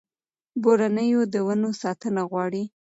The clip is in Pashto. بورنېو د ونو ساتنه غواړي.